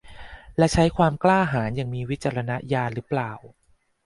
และใช้ความกล้าหาญอย่างมีวิจารณญาณหรือเปล่า